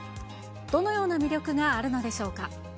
どのような魅力があるのでしょうか。